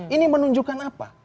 ini menunjukkan apa